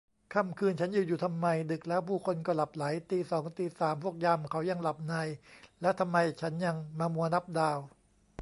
ค่ำคืนฉันยืนอยู่ทำไม ดึกแล้วผู้คนก็หลับใหล ตีสองตีสามพวกยามเขายังหลับใน แล้วทำไมฉันยังมามัวนับดาว